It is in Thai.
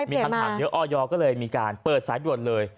มีคำถามเยอะออยก็เลยมีการเปิดสายด่วนเลย